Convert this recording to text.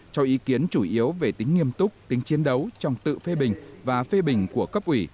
cho ý kiến chủ yếu về tính nghiêm túc tính chiến đấu trong tự phê bình và phê bình của cấp ủy